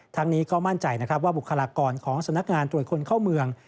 ทั้งนี้ก็มั่นใจนะครับว่าบุคลากรของสำนักงานตรวจคนเข้าเมือง